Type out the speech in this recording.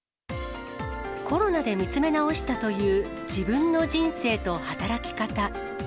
コロナで見つめ直したという、自分の人生と働き方。